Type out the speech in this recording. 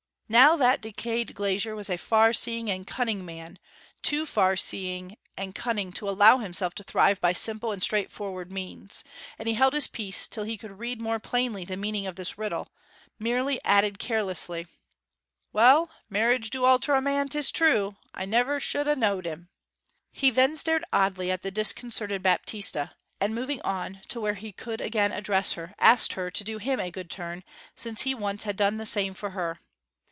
Now that decayed glazier was a far seeing and cunning man too far seeing and cunning to allow himself to thrive by simple and straightforward means and he held his peace, till he could read more plainly the meaning of this riddle, merely added carelessly, 'Well marriage do alter a man, 'tis true. I should never ha' knowed him!' He then stared oddly at the disconcerted Baptista, and moving on to where he could again address her, asked her to do him a good turn, since he once had done the same for her.